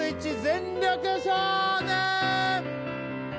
「全力少年」！